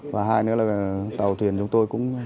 và hai nữa là tàu thuyền chúng tôi cũng